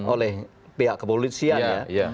oleh pihak kepolisian ya